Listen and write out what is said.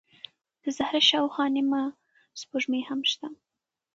د زهره شاوخوا نیمه سپوږمۍ هم شته.